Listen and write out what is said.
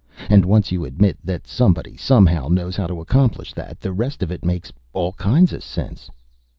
And once you admit that somebody, somehow, knows how to accomplish that, the rest of it makes all kinds of sense.